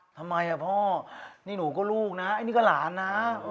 ทำไมอ่ะพ่อนี่หนูก็ลูกนะไอ้นี่ก็หลานนะ